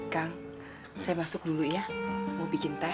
kang saya masuk dulu ya mau bikin teh